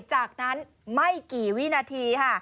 จากนั้นไม่กี่วินาทีค่ะ